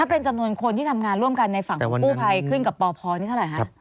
เป็นจำนวนคนที่ทำงานร่วมกันในฝั่งกู้ภัยขึ้นกับปพนี่เท่าไหร่คะ